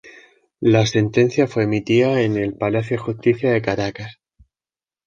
La sentencia fue emitida en el Palacio de Justicia de Caracas.